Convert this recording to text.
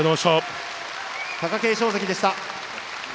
貴景勝関でした。